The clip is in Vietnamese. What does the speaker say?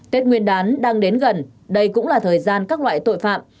tết nguyên đán đang đến gần đây cũng là thời gian các loại tội phạm